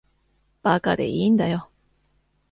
馬鹿でいいんだよ。